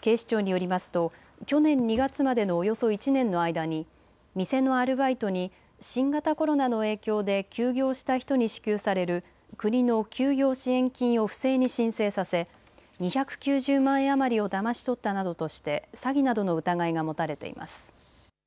警視庁によりますと去年２月までのおよそ１年の間に店のアルバイトに新型コロナの影響で休業した人に支給される国の休業支援金を不正に申請させ２９０万円余りをだまし取ったなどとして詐欺などの疑いが持たれています。